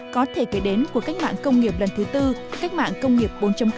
có thể kể đến của cách mạng công nghiệp lần thứ tư cách mạng công nghiệp bốn